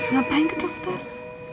ngapain ke dokter